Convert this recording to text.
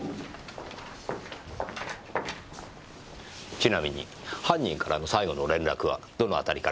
ちなみに犯人からの最後の連絡はどの辺りからでしたか？